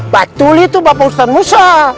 patuli itu bapak ustadz musa